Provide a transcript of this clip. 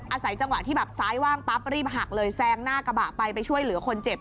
อาศัยจังหวะที่แบบซ้ายว่างปั๊บรีบหักเลยแซงหน้ากระบะไปไปช่วยเหลือคนเจ็บ